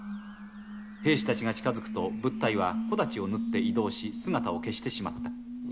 兵士たちが近づくと、物体は木立を縫って移動し、姿を消してしまった。